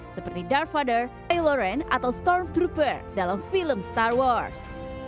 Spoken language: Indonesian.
seperti darth vader a loren atau stormtrooper dalam film star wars